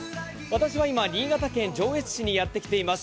私は今、新潟県上越市にやってきております。